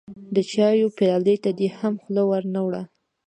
د چايو پيالې ته دې هم خوله ور نه وړه.